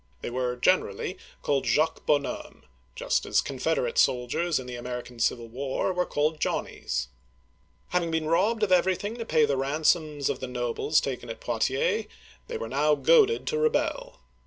They were generally called Jacques Bonhomme (zhak bo nom'), — just as Confederate soldiers in the American Civil War were called Johnnies. Having been robbed of everything to pay the ransoms of the nobles taken at Poitiers, they were now goaded to rebel.